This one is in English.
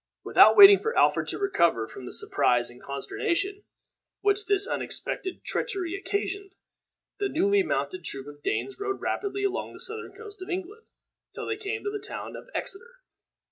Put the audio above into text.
Without waiting for Alfred to recover from the surprise and consternation which this unexpected treachery occasioned, the newly mounted troop of Danes rode rapidly along the southern coast of England till they came to the town of Exeter.